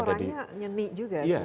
dia orangnya nyanyi juga